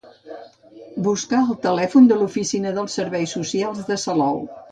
Buscar el telèfon de l'oficina de serveis socials de Salou.